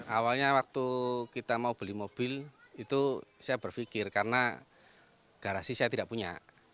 awalnya waktu kita mau beli mobil itu saya berpikir karena garasi saya tidak punya